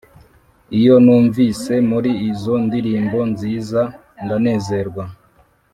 iyo numvise muri izo ndirimbo nziza ndanezerwa